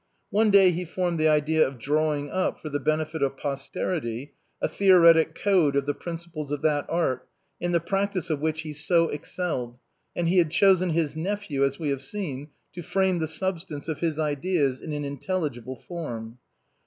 One day he formed the idea of drawing up, for the benefit of posterity, a theoretic code of the principles of that art, in the practice of which he so excelled, and he had chosen his nephew, as we have seen, to frame the substance of his ideas in an in telligible form.